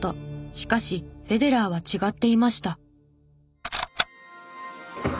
しかしフェデラーは違っていました。